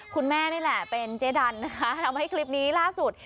คุณแม่นี่แหละเป็นเจ๊ดันนะคะทำให้คลิปนี้ล่าสุด